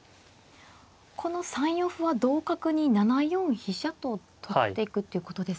この３四歩は同角に７四飛車と取っていくということですか。